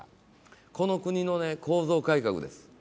この国の構造改革です。